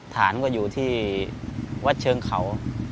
ฐานก็อยู่ที่วัดเชิงเขา